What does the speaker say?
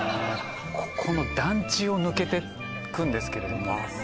ここの団地を抜けてくんですけれどもあっ